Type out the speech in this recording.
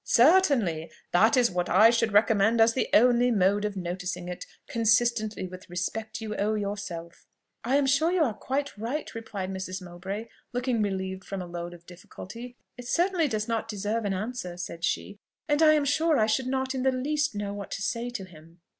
"Certainly: that is what I should recommend as the only mode of noticing it, consistently with the respect you owe yourself." "I am sure you are quite right," replied Mrs. Mowbray, looking relieved from a load of difficulty. "It certainly does not deserve an answer," said she, "and I am sure I should not in the least know what to say to him."